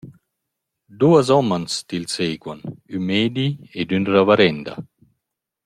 Duos homens til seguan: ün meidi ed ün ravarenda.